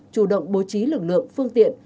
chủ động bố trí lực lượng phương tiện